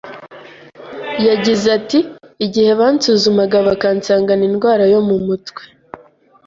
Yagize ati “igihe bansuzumaga bakansangana indwara yo mu mutwe